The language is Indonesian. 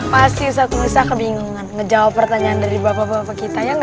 pasti usah usah kebingungan ngejawab pertanyaan dari bapak bapak kita yang gak